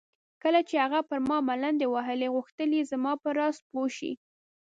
کله چې هغې پر ما ملنډې وهلې غوښتل یې زما په راز پوه شي.